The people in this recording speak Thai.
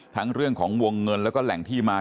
เรื่องของวงเงินแล้วก็แหล่งที่มา